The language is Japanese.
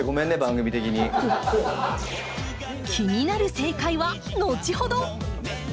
気になる正解は後ほど！